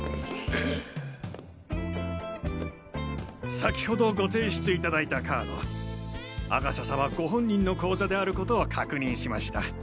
先ほどご提出いただいたカード阿笠様ご本人の口座であることを確認しました。